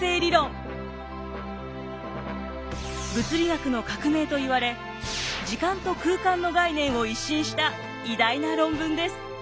物理学の革命といわれ時間と空間の概念を一新した偉大な論文です。